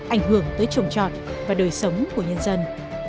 ảnh hưởng tới trồng trọt và đời sống của nhân dân